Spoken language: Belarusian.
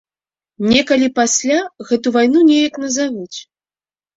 Некалі пасля, гэтую вайну неяк назавуць.